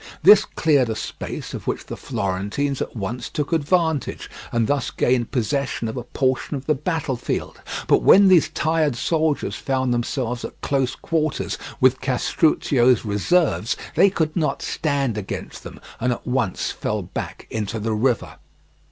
This cleared a space of which the Florentines at once took advantage, and thus gained possession of a portion of the battlefield. But when these tired soldiers found themselves at close quarters with Castruccio's reserves they could not stand against them and at once fell back into the river.